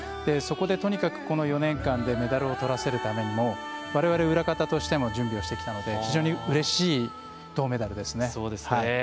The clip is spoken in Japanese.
そこで、とにかくこの４年間でメダルをとらせるためにも我々、裏方としても準備をしてきたので非常にうれしい銅メダルですね。